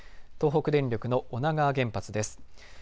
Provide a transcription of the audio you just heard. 東北電力の女川原発です。